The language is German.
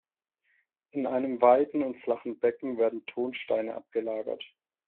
In einem weiten und flachen Becken wurden Tonsteine abgelagert.